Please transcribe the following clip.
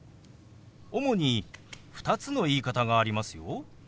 主に２つの言い方がありますよ。